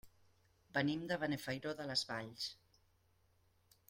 Venim de Benifairó de les Valls.